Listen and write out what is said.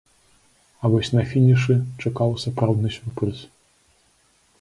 А вось на фінішы чакаў сапраўдны сюрпрыз.